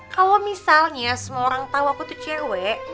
kalo misalnya semua orang tau aku tuh cewek